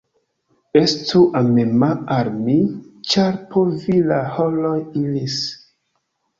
Estu amema al mi, ĉar por vi la haroj iris.